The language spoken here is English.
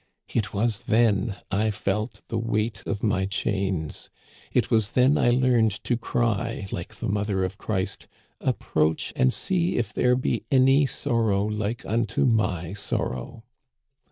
It was then I felt the weight of my chains. It was then I learned to cry, like the mother of Christ, * Approach and see if there be any sorrow like unto my sorrow.'